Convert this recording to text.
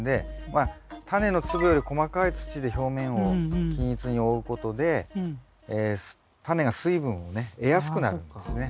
まあタネの粒より細かい土で表面を均一に覆うことでタネが水分をね得やすくなるんですね。